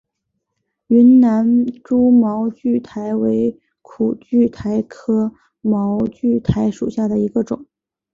云南蛛毛苣苔为苦苣苔科蛛毛苣苔属下的一个种。